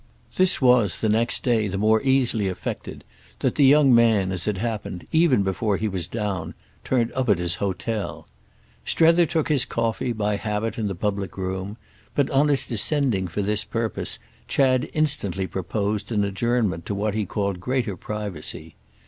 This was the next day the more easily effected that the young man, as it happened, even before he was down, turned up at his hotel. Strether took his coffee, by habit, in the public room; but on his descending for this purpose Chad instantly proposed an adjournment to what he called greater privacy.